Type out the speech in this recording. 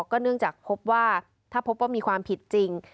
ก็เนื่องจากพบว่าถ้าพบว่ามีความผิดจริง